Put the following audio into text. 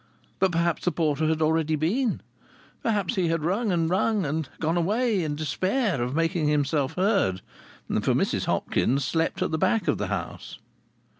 But perhaps the porter had already been; perhaps he had rung and rung, and gone away in despair of making himself heard (for Mrs Hopkins slept at the back of the house).